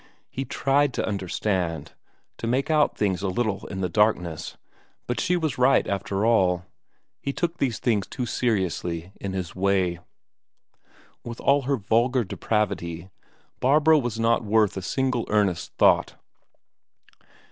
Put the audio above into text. He tried to understand, to make out things a little in the darkness, but she was right after all; he took these things too seriously in his way. With all her vulgar depravity, Barbro was not worth a single earnest thought.